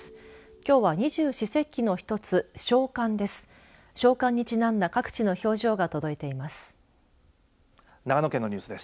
きょうは二十四節気の一つ小寒です。